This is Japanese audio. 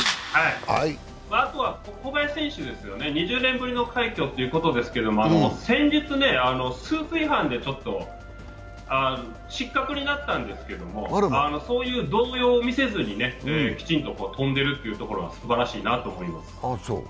あとは小林選手ですよね、２０年ぶりの快挙ということですけれども、先日、スーツ違反で失格になったんですけど、そういう動揺を見せずにきちんと飛んでるというのはすばらしいなと思います。